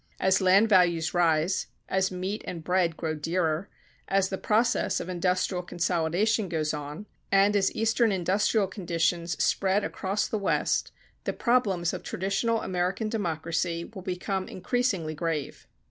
As land values rise, as meat and bread grow dearer, as the process of industrial consolidation goes on, and as Eastern industrial conditions spread across the West, the problems of traditional American democracy will become increasingly grave.